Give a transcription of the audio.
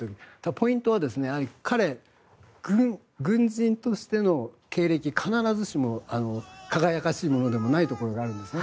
ポイントは彼、軍人としての経歴必ずしも輝かしいものでもないところがあるんですね。